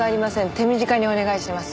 手短にお願いします。